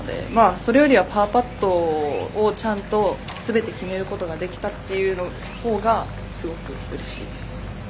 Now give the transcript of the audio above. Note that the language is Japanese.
それよりはパーパットをちゃんとすべて決めることができたというほうがすごく、うれしいです。